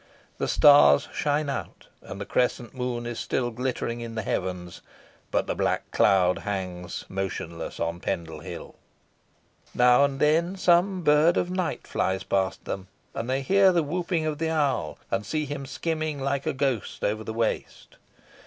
The stars shine out, and the crescent moon is still glittering in the heavens, but the black cloud hangs motionless on Pendle Hill. Now and then some bird of night flies past them, and they hear the whooping of the owl, and see him skimming like a ghost over the waste.